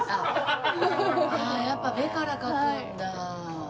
ああやっぱ目から描くんだ。